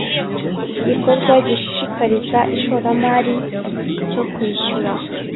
igikorwa gishishikariza ishoramari cyo kwishyura